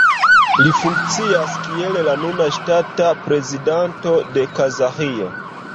Li funkcias kiel la nuna ŝtata prezidanto de Kazaĥio.